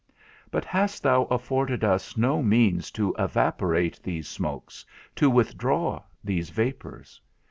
But hast thou afforded us no means to evaporate these smokes, to withdraw these vapours?